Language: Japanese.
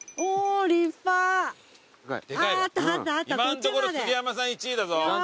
今んところ杉山さん１位だぞ。